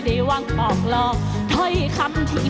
ฮุยฮาฮุยฮารอบนี้ดูทางเวที